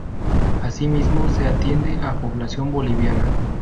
Asimismo se atiende a población Boliviana.